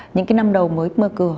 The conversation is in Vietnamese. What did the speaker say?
những cái năm đầu mới mở cửa